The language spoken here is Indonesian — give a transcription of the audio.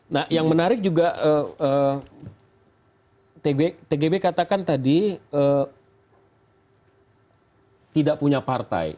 nah yang menarik juga eee eee tgb katakan tadi eee tidak punya partai